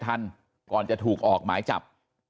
ทันก่อนจะถูกออกหมายจับ